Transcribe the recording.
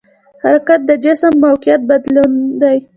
حرکت د جسم موقعیت بدلون دی.